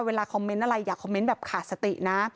เวลาคอมเมนต์อะไรอยากคอมเมนต์แบบขาดสตินะ